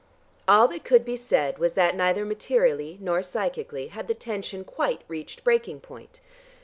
All that could be said was that neither materially nor psychically had the tension quite reached breaking point.